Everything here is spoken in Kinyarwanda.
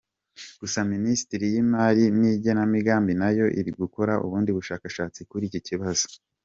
Gusa Minisiteri y’Imari n’Igenamigambi nayo iri gukora ubundi bushakashatsi kuri iki kibazo.